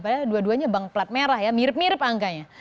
padahal dua duanya bank plat merah ya mirip mirip angkanya